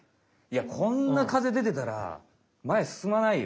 こんな風でてたらまえすすまないよ。